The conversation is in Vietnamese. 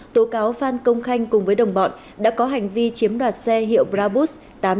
tố cáo phan công khanh cùng với đồng bọn đã có hành vi chiếm đoạt xe hiệu brabus tám trăm linh